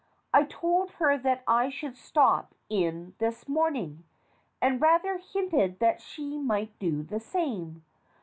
I told her that I should stop in this morning, and rather hinted that she might do the same.